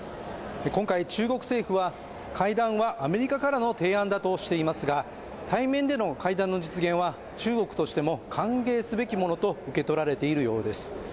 今回中国政府は会談はアメリカからの提案だとしていますが対面での会談の実現は中国としても歓迎すべきものと受け取られているようです